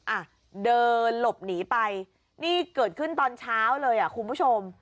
อ่ะเดินหลบหนีไปนี่เกิดขึ้นตอนเช้าเลยอ่ะคุณผู้ชม